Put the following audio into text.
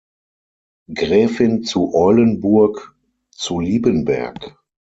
Gräfin zu Eulenburg zu Liebenberg.